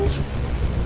apa apa siapa orang sih